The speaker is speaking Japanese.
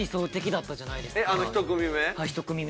あの１組目？